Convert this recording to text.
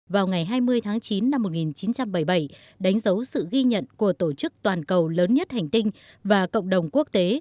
vào ngày hai mươi tháng chín năm một nghìn chín trăm bảy mươi bảy đánh dấu sự ghi nhận của tổ chức toàn cầu lớn nhất hành tinh và cộng đồng quốc tế